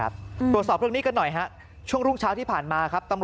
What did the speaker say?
ตรวจสอบเรื่องนี้กันหน่อยฮะช่วงรุ่งเช้าที่ผ่านมาครับ